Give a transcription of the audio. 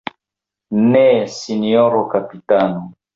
Ne, sinjoro kapitano.